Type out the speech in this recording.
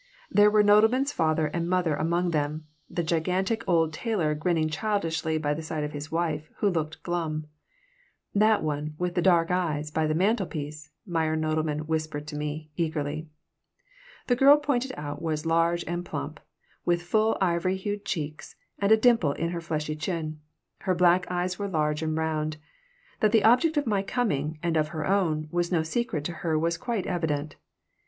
There were Nodelman's father and mother among them, the gigantic old tailor grinning childishly by the side of his wife, who looked glum "That one, with the dark eves, by the mantelpiece," Meyer Nodelman whispered to me, eagerly The girl pointed out was large and plump, with full ivory hued cheeks, and a dimple in her fleshy chin. Her black eyes were large and round. That the object of my coming, and of her own, was no secret to her was quite evident.